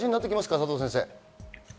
佐藤先生。